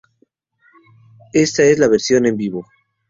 Esta es la versión "en vivo".